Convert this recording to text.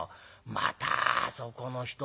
またあそこの人ええ？